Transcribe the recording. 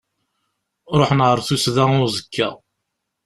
Ruḥen-t ɣer tusda uẓekka.